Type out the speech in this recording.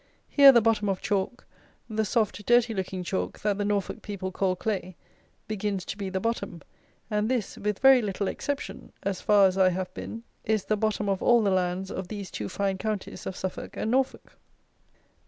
Here the bottom of chalk, the soft dirty looking chalk that the Norfolk people call clay, begins to be the bottom, and this, with very little exception (as far as I have been) is the bottom of all the lands of these two fine counties of Suffolk and Norfolk.